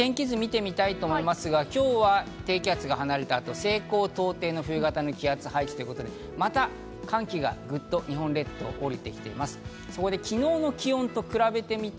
まず天気図を見てみたいと思いますが、今日は低気圧が離れた後、西高東低の冬型の気圧配置、また寒気がグッと日本列島に降りてきています。